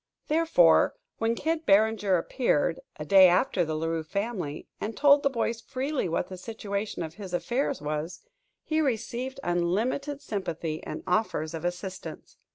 Therefore, when Kid Barringer appeared, a day after the La Rue family, and told the boys freely what the situation of his affairs was, he received unlimited sympathy and offers of assistance.